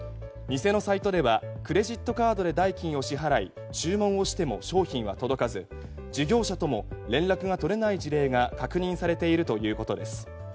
偽のサイトではクレジットカードで代金を支払い注文をしても商品が届かず事業者とも連絡が取れない事例が確認されているということです。